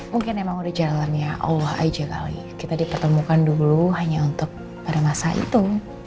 mungkin emang udah jalan ya allah aja kali kita dipertemukan dulu hanya untuk pada masa itu